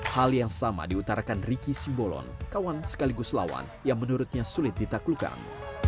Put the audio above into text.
hal yang sama diutarakan ricky simbolon kawan sekaligus lawan yang menurutnya sulit ditaklukkan